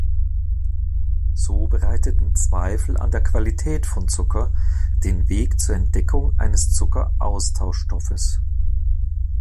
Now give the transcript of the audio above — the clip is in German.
So bereiteten Zweifel an der Qualität von Zucker den Weg zur Entdeckung eines Zucker-Austauschstoffes.